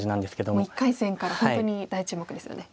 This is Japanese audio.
もう１回戦から本当に大注目ですよね。